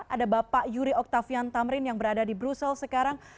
ada bapak yuri oktavian tamrin yang berada di brussel sekarang